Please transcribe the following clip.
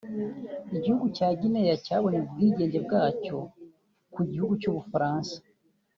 Igihugu cya Guinea cyabonye ubwigenge bwacyo ku gihugu cy’ubufaransa